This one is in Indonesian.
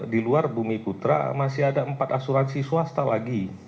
di luar bumi putra masih ada empat asuransi swasta lagi